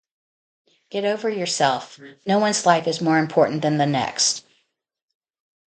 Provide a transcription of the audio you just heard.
Get over yourself no one’s life is more important than the next.